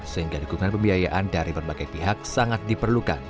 sehingga dukungan pembiayaan dari berbagai pihak sangat diperlukan